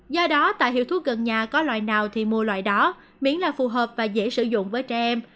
do đó tạo hiệu thuốc gần nhà có loại nào thì mua loại đó miễn là phù hợp và dễ sử dụng với trẻ em